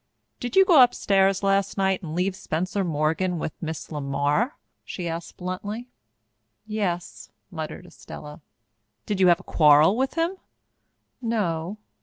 "Did you go upstairs last night and leave Spencer Morgan with Miss LeMar?" she asked bluntly. "Yes," muttered Estella. "Did you have a quarrel with him?" "No."